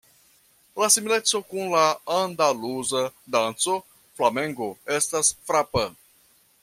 La simileco kun la andaluza danco Flamenko estas frapa.